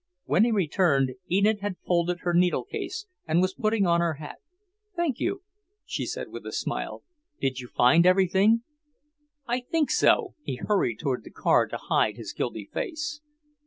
When he returned, Enid had folded her needle case and was putting on her hat. "Thank you," she said with a smile. "Did you find everything?" "I think so." He hurried toward the car to hide his guilty face.